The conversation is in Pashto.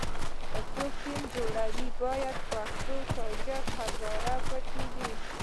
که څوک ټیم جوړوي باید پښتون، تاجک او هزاره په کې وي.